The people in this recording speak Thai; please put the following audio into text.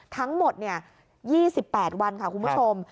ทั้งหมด๒๘วันค่ะคุณผู้ชม